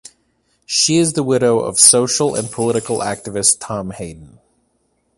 She is the widow of social and political activist Tom Hayden.